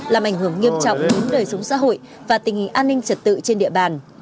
làm ảnh hưởng nghiêm trọng đến đời sống xã hội và tình hình an ninh trật tự trên địa bàn